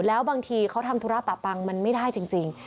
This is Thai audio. แล้วบางทีเขาทำธุระปะปังมันไม่ได้จริง